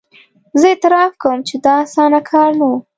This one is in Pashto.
زه اعتراف کوم چې دا اسانه کار نه وو.